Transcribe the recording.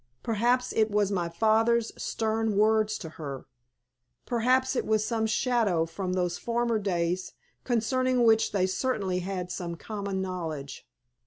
Perhaps it was my father's stern words to her, perhaps it was some shadow from those former days concerning which they certainly had some common knowledge.